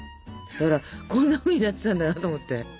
だからこんなふうになってたんだなと思って。